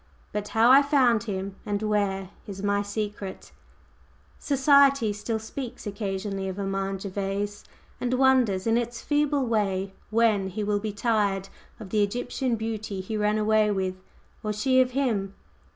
But how I found him, and where, is my secret!" Society still speaks occasionally of Armand Gervase, and wonders in its feeble way when he will be "tired" of the Egyptian beauty he ran away with, or she of him.